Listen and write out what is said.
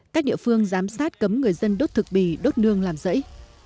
các địa phương giám sát cấm người dân đốt thực bì đốt nương làm rẫy